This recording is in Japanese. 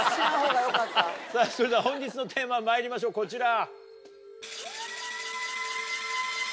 さぁそれでは本日のテーマまいりましょうこちら！